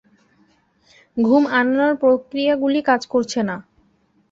ঘুম আনানোর প্রক্রিয়াগুলি কাজ করছে না।